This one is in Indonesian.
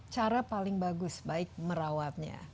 cara paling bagus baik merawatnya